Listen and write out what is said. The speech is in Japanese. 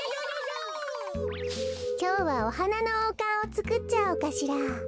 きょうはおはなのおうかんをつくっちゃおうかしら。